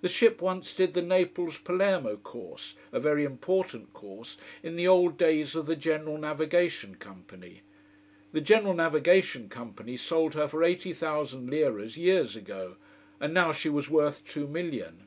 The ship once did the Naples Palermo course a very important course in the old days of the General Navigation Company. The General Navigation Company sold her for eighty thousand liras years ago, and now she was worth two million.